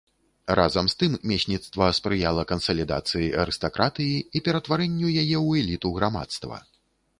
Разам з тым месніцтва спрыяла кансалідацыі арыстакратыі і ператварэнню яе ў эліту грамадства.